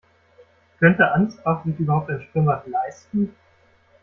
Könnte Ansbach sich überhaupt ein Schwimmbad leisten?